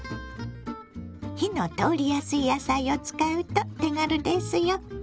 火の通りやすい野菜を使うと手軽ですよ。